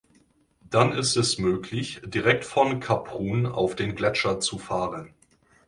Dann ist es möglich direkt von Kaprun auf den Gletscher zu fahren.